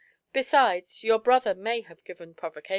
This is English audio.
Besides, your brother may have given provocation.